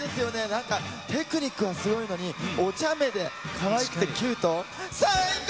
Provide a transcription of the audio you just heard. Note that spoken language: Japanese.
なんかテクニックはすごいのに、おちゃめでかわいくて、キュート。